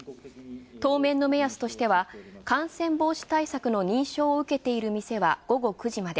当面の目安としては、感染防止対策の認証を受けている店は午後９時まで。